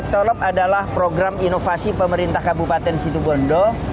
tolop adalah program inovasi pemerintah kabupaten situ bondo